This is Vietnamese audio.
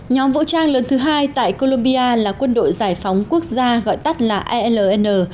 nhóm vũ trang lớn thứ hai tại colombia là quân đội giải phóng quốc gia gọi tắt là alnn